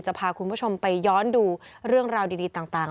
พาคุณผู้ชมไปย้อนดูเรื่องราวดีต่าง